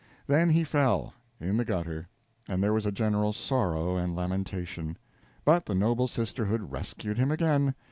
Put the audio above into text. Then he fell in the gutter; and there was general sorrow and lamentation. But the noble sisterhood rescued him again.